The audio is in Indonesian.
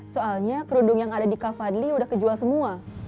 soalnya kerudung yang ada di kafadli udah kejual semua